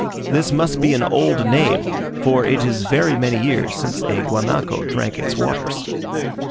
This must be an old name, for it is very many years since a guanaco drank its waters.